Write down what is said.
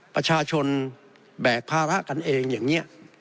ประชาชนแบกภาระกันเองอย่างนี้